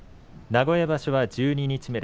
名古屋場所は十二日目。